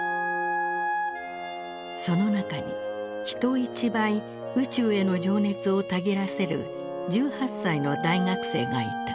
その中に人一倍宇宙への情熱をたぎらせる１８歳の大学生がいた。